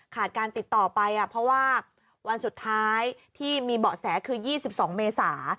การติดต่อไปเพราะว่าวันสุดท้ายที่มีเบาะแสคือ๒๒เมษา